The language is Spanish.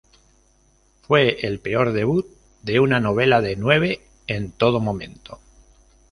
Fue el peor debut de una novela de nueve en todo momento.